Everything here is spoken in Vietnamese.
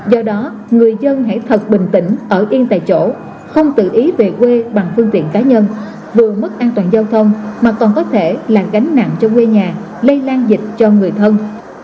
do đó người dân hãy thật bình tĩnh ở yên tại chỗ không tự ý về quê bằng phương tiện cá nhân vừa mất an toàn giao thông mà còn có thể là gánh nặng cho quê nhà lây lan dịch cho người thân